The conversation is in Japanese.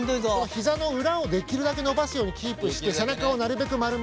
ひざの裏をできるだけ伸ばすようにキープして背中をなるべく丸めますので。